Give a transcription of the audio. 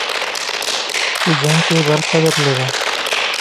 په جنګ کې یې برخه درلوده.